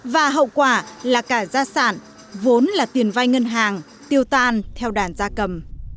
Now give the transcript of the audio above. và hậu quả là cả gia sản vốn là tiền vai ngân hàng tiêu tan theo đàn gia cầm